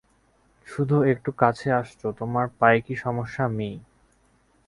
শুধু একটু কাছে আসছো তোমার পায়ে কি সমস্যা, মেয়ে?